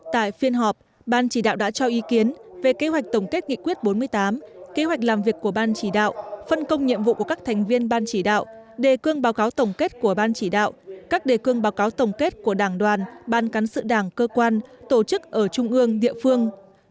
tại phiên họp ban chỉ đạo đã cho ý kiến về kế hoạch tổng kết nghị quyết bốn mươi tám kế hoạch làm việc của ban chỉ đạo phân công nhiệm vụ của các thành viên ban chỉ đạo đề cương báo cáo tổng kết của ban chỉ đạo các đề cương báo cáo tổng kết của đảng đoàn ban cán sự đảng cơ quan tổ chức ở trung ương địa phương